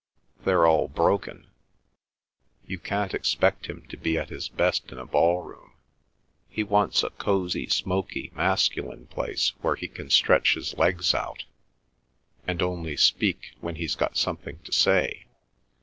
They're all broken. You can't expect him to be at his best in a ballroom. He wants a cosy, smoky, masculine place, where he can stretch his legs out, and only speak when he's got something to say.